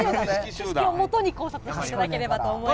知識をもとに考察していただければと思います。